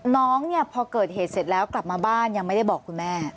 น้องเนี่ยพอเกิดเหตุเสร็จแล้วกลับมาบ้านยังไม่ได้บอกคุณแม่